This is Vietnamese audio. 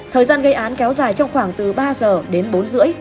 thời gian gây án kéo dài trong khoảng từ ba giờ đến bốn h ba mươi